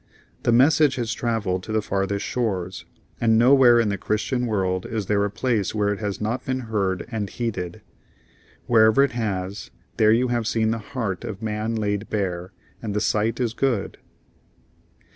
The message has traveled to the farthest shores, and nowhere in the Christian world is there a place where it has not been heard and heeded. Wherever it has, there you have seen the heart of man laid bare; and the sight is good.